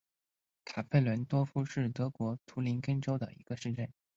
卡佩伦多夫是德国图林根州的一个市镇。